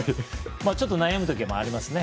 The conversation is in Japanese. ちょっと悩む時もありますね。